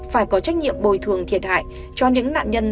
phải có trách nhiệm bồi thường thiệt hại cho những nạn nhân